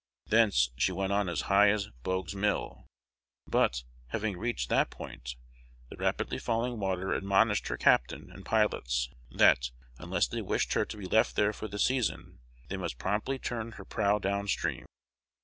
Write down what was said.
Thence she went on as high as Bogue's mill; but, having reached that point, the rapidly falling water admonished her captain and pilots, that, unless they wished her to be left there for the season, they must promptly turn her prow down stream.